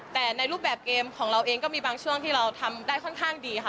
แต่ในรูปแบบเกมของเราเองก็มีบางช่วงที่เราทำได้ค่อนข้างดีค่ะ